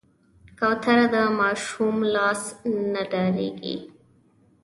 کوتره د ماشوم لاس نه ډارېږي.